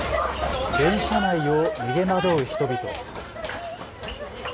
電車内を逃げ惑う人々。